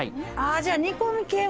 じゃあ。